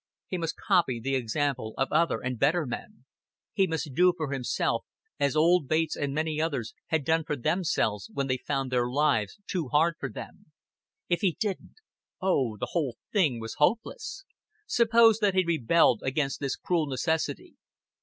He must copy the example of other and better men; he must do for himself, as old Bates and many others had done for themselves when they found their lives too hard for them. If he didn't oh, the whole thing was hopeless. Suppose that he rebelled against this cruel necessity.